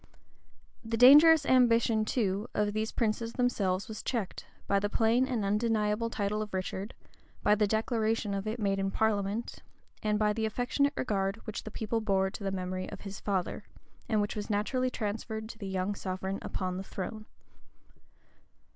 The dangerous ambition, too, of these princes themselves was checked, by the plain and undeniable title of Richard, by the declaration of it made in parliament, and by the affectionate regard which the people bore to the memory of his father, and which was naturally transferred to the young sovereign upon the throne.